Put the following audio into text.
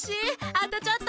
あとちょっと。